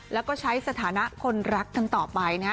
แล้วก็ใช้สถานะคนรักกันต่อไปนะฮะ